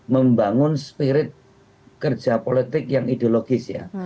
membangun spirit kerja politik yang ideologis ya